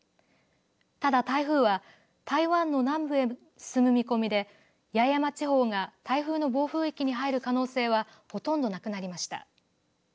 ただ台風は台湾の南部へ進む見込みで八重山地方が台風の暴風域に入る可能性はほとんどなくなりました。